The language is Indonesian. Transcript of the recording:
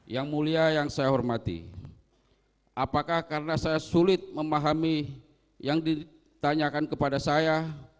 yang mulia yang saya hormati apakah karena saya sulit memahami yang ditanyakan kepada saya